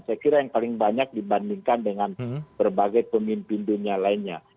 saya kira yang paling banyak dibandingkan dengan berbagai pemimpin dunia lainnya